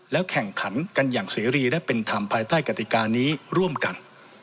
แข่งขันกันอย่างเสรีและเป็นธรรมภายใต้กติกานี้ร่วมกัน